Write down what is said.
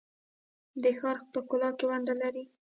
د ښار په ښکلا کې ونډه لري؟